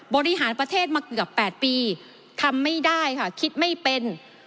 บริหารประเทศมาเกือบ๘ปีทำไม่ได้ค่ะคิดไม่เป็น